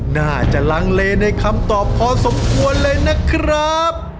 ลังเลในคำตอบพอสมควรเลยนะครับ